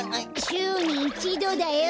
しゅうに１どだよ！